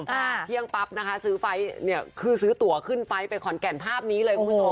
อ่าเที่ยงปั๊บนะคะซื้อไฟล์เนี่ยคือซื้อตัวขึ้นไฟล์ไปขอนแก่นภาพนี้เลยคุณผู้ชม